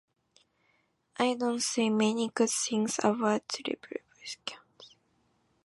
I don't say many good things about republicans.